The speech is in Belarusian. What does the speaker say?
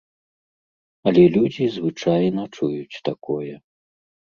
Але людзі звычайна чуюць такое.